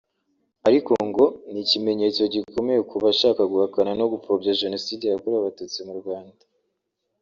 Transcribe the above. ariko ngo ni n’ikimenyetso gikomeye ku bashaka guhakana no gupfobya Jenoside yakorewe Abatutsi mu Rwanda